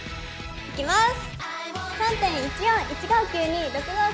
いきます！